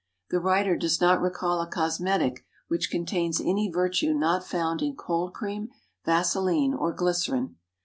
The writer does not recall a cosmetic which contains any virtue not found in cold cream, vaseline, or glycerine.